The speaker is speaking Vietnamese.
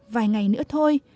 vài ngày nữa thôi